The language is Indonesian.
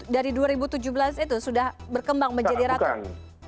dari dua ribu tujuh belas itu sudah berkembang menjadi ratusan